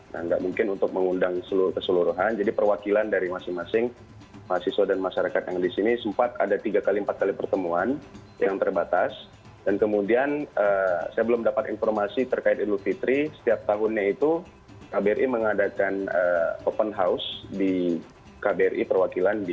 nah nggak mungkin untuk mengundang keseluruhan jadi perwakilan dari masing masing mahasiswa dan masyarakat yang di sini sempat ada tiga kali empat kali pertemuan yang terbatas dan kemudian saya belum dapat informasi terkait idul fitri setiap tahunnya itu kbri mengadakan open house di kbri perwakilan di